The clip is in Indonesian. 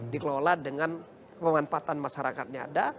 dikelola dengan pemanfaatan masyarakatnya ada